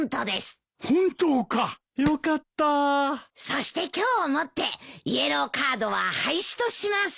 そして今日をもってイエローカードは廃止とします。